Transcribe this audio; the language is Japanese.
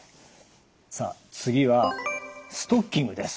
さあ次はストッキングです。